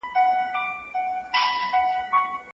باید ژر تر ژره حرکت وکړو.